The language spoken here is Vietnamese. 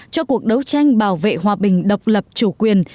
cho cuộc đấu tranh bảo vệ hòa bình độc lập chủ quyền